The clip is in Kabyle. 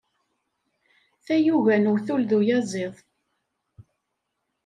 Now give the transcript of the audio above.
D tayuga n uwtul d uyaziḍ.